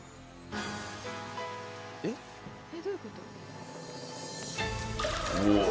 えっどういうこと？おぉ！